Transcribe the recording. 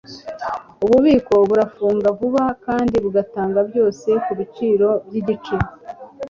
Ububiko burafunga vuba kandi butanga byose kubiciro byigice.